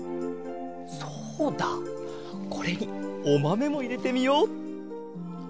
そうだこれにおまめもいれてみよう。